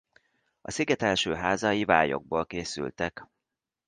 A sziget első házai vályogból készültek.